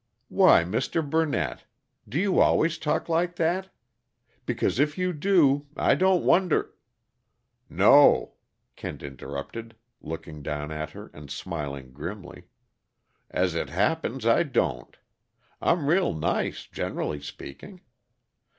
"Why, Mr. Burnett! Do you always talk like that? Because if you do, I don't wonder " "No," Kent interrupted, looking down at her and smiling grimly, "as it happens, I don't. I'm real nice, generally speaking.